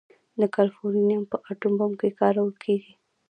د کالیفورنیم په اټوم بم کې کارول کېږي.